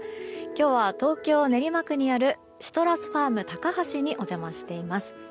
今日は東京・練馬区にあるシトラスファーム高橋にお邪魔しています。